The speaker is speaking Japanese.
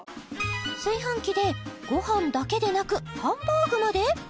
炊飯器でご飯だけでなくハンバーグまで！？